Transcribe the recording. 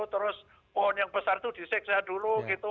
terus pohon yang besar itu disiksa dulu gitu